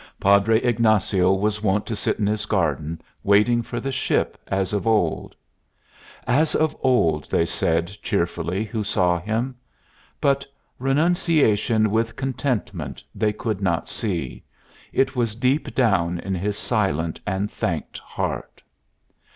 Padre Ignacio was wont to sit in his garden, waiting for the ship, as of old. "As of old," they said, cheerfully, who saw him. But Renunciation with Contentment they could not see; it was deep down in his silent and thanked heart.